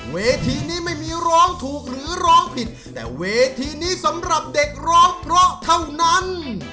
เวทีนี้ไม่มีร้องถูกหรือร้องผิดแต่เวทีนี้สำหรับเด็กร้องเพราะเท่านั้น